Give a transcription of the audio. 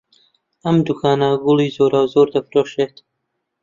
ئەم دوکانە گوڵی جۆراوجۆر دەفرۆشێت.